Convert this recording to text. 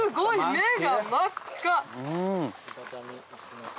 目が真っ赤。